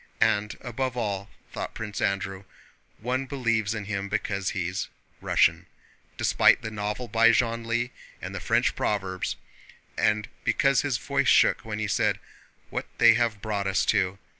And above all," thought Prince Andrew, "one believes in him because he's Russian, despite the novel by Genlis and the French proverbs, and because his voice shook when he said: 'What they have brought us to!